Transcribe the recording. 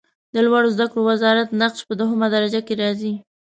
د لوړو زده کړو وزارت نقش په دویمه درجه کې راځي.